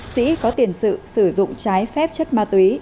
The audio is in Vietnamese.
sĩ có tiền sử dụng trái phép chất ma túy